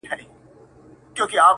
نن دي دواړي سترگي سرې په خاموشۍ كـي!